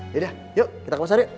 yaudah yuk kita ke pasar yuk